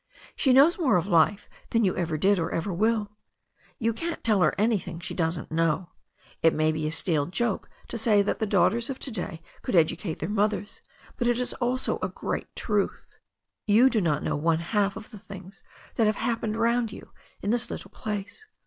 She knows more of life than you ever did or ever will. You can't tell her anything she doesn't know. It may be a stale joke to say the daughters of to day could educate their mothers, but it is also a great truth. You do not know one half of the things that have happened round you in this little place.